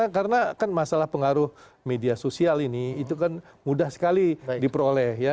karena kan masalah pengaruh media sosial ini itu kan mudah sekali diperoleh ya